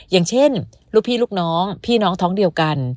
อย่างเช่นลูกพี่ลูกน้องพี่น้องท้องเดียวกัน